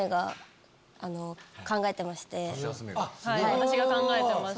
私が考えてます。